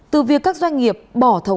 từ việc các doanh nghiệp bỏ thầu